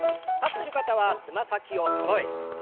立ってる方はつま先をそろえて。